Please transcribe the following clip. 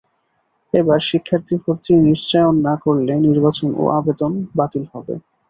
এবার শিক্ষার্থী ভর্তির নিশ্চয়ন না করলে নির্বাচন ও আবেদন বাতিল হবে।